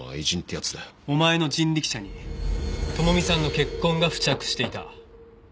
お前の人力車に智美さんの血痕が付着していた。